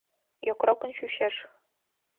Йокрокын чучеш.